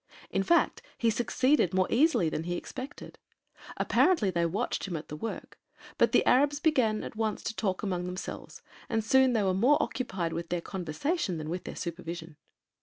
In fact, he succeeded more easily than he expected. Apparently they watched him at the work, but the Arabs began at once to talk among themselves and soon they were more occupied with their conversation than with their supervision.